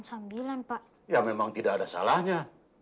sambilan pak ya memang tidak ada salahnya